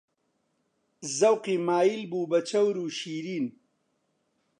زەوقی مایل بوو بە چەور و شیرین